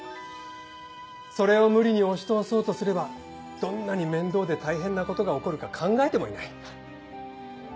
それを無理に押し通そうとすればどんなに面倒で大変なことが起こるか考えてもいない。